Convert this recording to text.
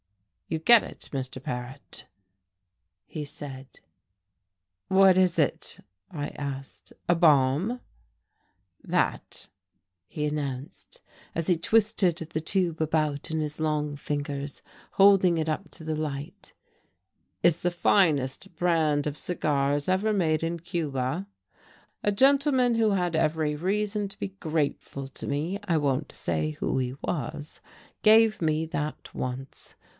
"You get it, Mr. Paret," he said. "What is it?" I asked, "a bomb!" "That," he announced, as he twisted the tube about in his long fingers, holding it up to the light, "is the finest brand of cigars ever made in Cuba. A gentleman who had every reason to be grateful to me I won't say who he was gave me that once.